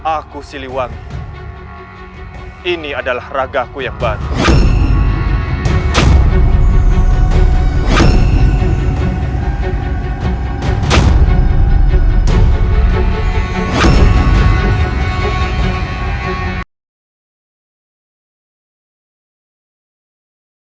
aku siliwangi ini adalah ragaku yang baik